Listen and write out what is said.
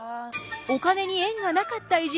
お金に縁がなかった偉人